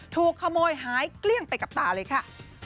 ถูกขโมยหายเกลี้ยงไปกับตาเลยค่ะ